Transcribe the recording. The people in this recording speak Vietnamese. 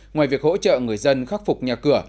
ngoài việc hỗ trợ người dân khắc phục nhà cửa